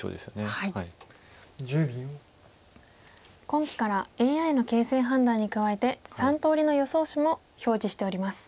今期からＡＩの形勢判断に加えて３通りの予想手も表示しております。